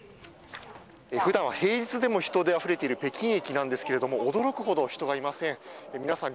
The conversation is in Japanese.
普段は平日でも人であふれている北京駅なんですが驚くほど人がいません。